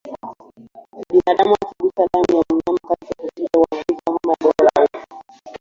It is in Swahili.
Binadamu akigusa damu ya mnyama wakati wa kuchinja huambukizwa homa ya bonde la ufa